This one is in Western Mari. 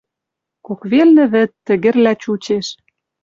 Кок велнӹ вӹд — тӹгӹрлӓ чучеш.